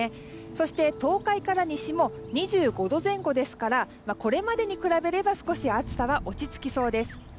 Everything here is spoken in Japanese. そして東海から西も２５度前後ですからこれまでに比べれば少し暑さは落ち着きそうです。